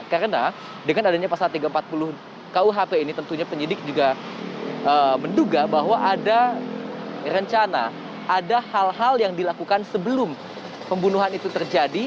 karena dengan adanya pasal tiga ratus empat puluh kuhp ini tentunya penyidik juga menduga bahwa ada rencana ada hal hal yang dilakukan sebelum pembunuhan itu terjadi